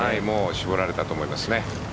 絞られたと思いますね。